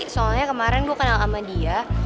soalnya kemarin gue kenal sama dia